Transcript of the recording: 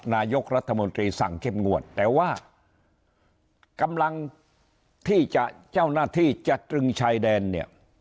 นายกรัฐมนตรีสั่งเข้มงวดแต่ว่ากำลังที่จะเจ้าหน้าที่จะตรึงชายแดนเนี่ย